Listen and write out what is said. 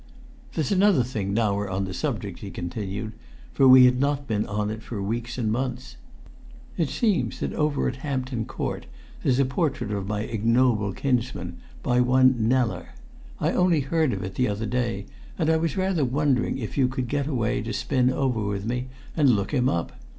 "There's another thing, now we're on the subject," he continued, for we had not been on it for weeks and months. "It seems that over at Hampton Court there's a portrait of my ignoble kinsman, by one Kneller. I only heard of it the other day, and I was rather wondering if you could get away to spin over with me and look him up.